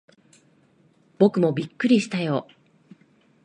僕もびっくりしたよ。